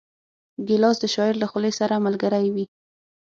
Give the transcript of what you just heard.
ګیلاس د شاعر له خولې سره ملګری وي.